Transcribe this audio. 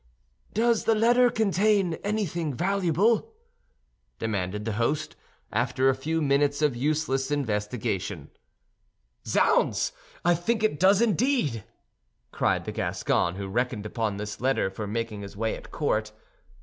"Does the letter contain anything valuable?" demanded the host, after a few minutes of useless investigation. "Zounds! I think it does indeed!" cried the Gascon, who reckoned upon this letter for making his way at court.